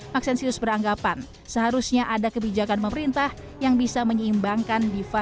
maxensius beranggapan seharusnya ada kebijakan pemerintah yang bisa menyeimbangkan